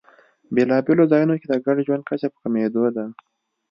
بېلابېلو ځایونو کې د ګډ ژوند کچه په کمېدو ده.